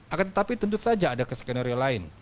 akan tetapi tentu saja ada keskenario lain